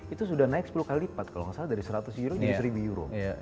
itu sudah naik sepuluh kali lipat kalau nggak salah dari seratus euro jadi seribu euro